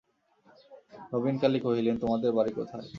নবীনকালী কহিলেন, তোমাদের বাড়ি কোথায়?